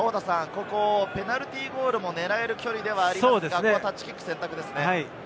ペナルティーゴールも狙える距離ではありますが、タッチキックを選択ですね。